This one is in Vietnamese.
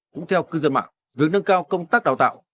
cũng theo cư dân mạng việc nâng cao công tác đào tạo